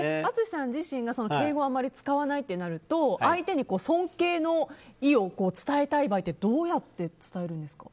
淳さん自身が敬語はあまり使わないとなると相手に尊敬の意を伝えたい場合どうやって伝えるんですか？